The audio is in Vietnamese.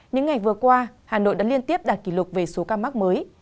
những ngày vừa qua hà nội đã liên tiếp đạt kỷ lục về số ca mắc mới